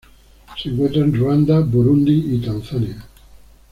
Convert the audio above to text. Se encuentra en Ruanda, Burundi y Tanzania.